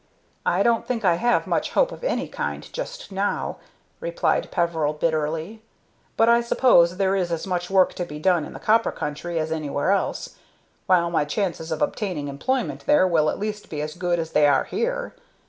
"I don't think I have much hope of any kind just now," replied Peveril, bitterly. "But I suppose there is as much work to be done in the copper country as anywhere else, while my chances of obtaining employment there will at least be as good as they are here.